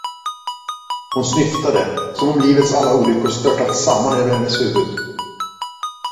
Hon snyftade, som om livets alla olyckor störtat samman över hennes huvud.